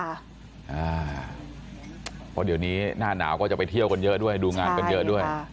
เพราะเดี๋ยวนี้หน้าหนาวก็จะไปเที่ยวกันเยอะด้วยดูงานกันเยอะด้วย